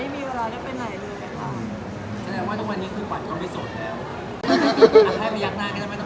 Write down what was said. ไม่ของไปทางงาน